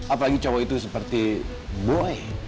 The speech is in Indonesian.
apalagi cowok itu seperti boy